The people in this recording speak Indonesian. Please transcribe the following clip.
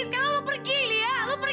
sekarang lo pergi li ya